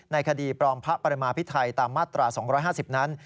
คดีปลอมพระประมาพิไทยตามมาตรา๒๕๐นั้น